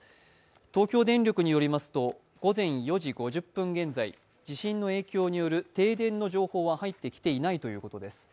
東京電力によりますと、午前４時５０分現在、地震の影響による停電の情報は入ってきていないということです。